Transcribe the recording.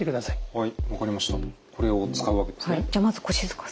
はい。